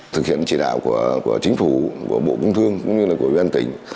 thực hiện chỉ đạo của chính phủ của bộ cung thương cũng như là của bn tỉnh